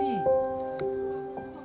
hai apa kabar